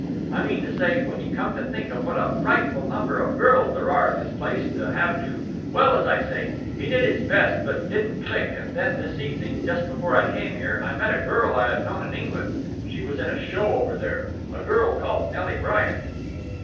I mean to say, when you come to think of what a frightful number of girls there are in this place, to have to ... well, as I say, he did his best but didn't click; and then this evening, just before I came here, I met a girl I had known in England she was in a show over there a girl called Nelly Bryant...."